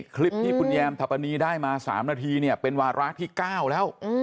คลิปที่คุณแยมทัพนีได้มา๓นาทีเนี่ยเป็นวาระที่๙แล้ว